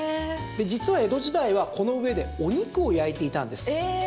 実は、江戸時代はこの上でお肉を焼いていたんです。